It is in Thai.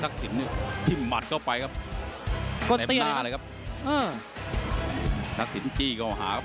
ทักสินกี้ดีกว่าหานะครับ